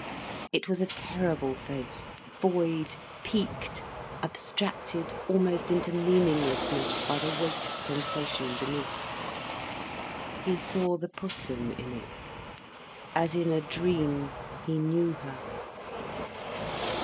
It was a terrible face, void, peaked, abstracted almost into meaninglessness by the weight of sensation beneath. He saw the Pussum in it. As in a dream, he knew her.